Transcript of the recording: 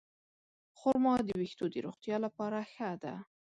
خرما د ویښتو د روغتیا لپاره ښه ده.